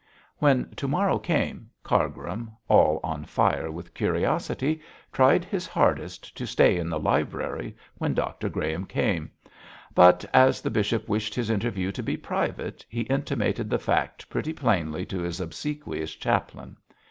When to morrow came, Cargrim, all on fire with curiosity, tried his hardest to stay in the library when Dr Graham came; but as the bishop wished his interview to be private, he intimated the fact pretty plainly to his obsequious chaplain.